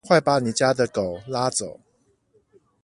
快把你家的狗拉走！